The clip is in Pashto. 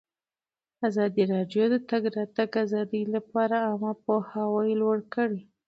ازادي راډیو د د تګ راتګ ازادي لپاره عامه پوهاوي لوړ کړی.